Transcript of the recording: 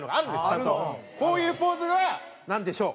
こういうポーズはなんでしょう？